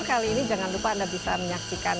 kali ini jangan lupa anda bisa menyaksikan